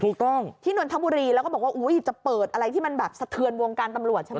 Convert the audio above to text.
ถูกต้องที่นนทบุรีแล้วก็บอกว่าอุ้ยจะเปิดอะไรที่มันแบบสะเทือนวงการตำรวจใช่ไหม